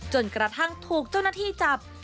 จนกระทั่งถูกเจ้าหน้าที่จับ